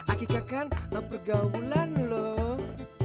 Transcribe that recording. akika kan ada pergaulan loh